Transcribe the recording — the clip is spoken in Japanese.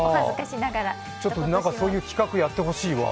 なんか、そういう企画やってほしいわ。